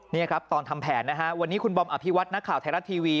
นี่ครับตอนทำแผนนะฮะวันนี้คุณบอมอภิวัตนักข่าวไทยรัฐทีวี